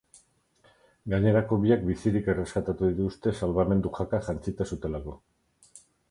Gainerako biak bizirik erreskatatu dituzte, salbamendu-jaka jantzita zutelako.